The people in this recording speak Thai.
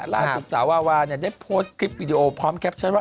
สาววาวาได้โพสต์คลิปวิดีโอพร้อมแคปชั่นว่า